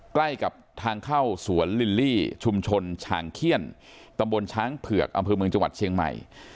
ใกล้กับทางเข้าสวนลิลลี่ชุมชนฉางเขี้ยนตำบลช้างเผือกอำเภอเมืองจังหวัดเชียงใหม่